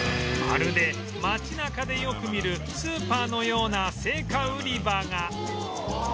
まるで街中でよく見るスーパーのような青果売り場が